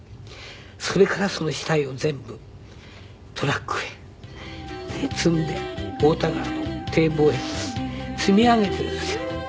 それからその死体を全部トラックへねえ積んで太田川の堤防へ積み上げてですよ。